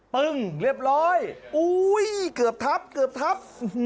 ปึ้งเรียบร้อยอุ้ยเกือบทับเกือบทับ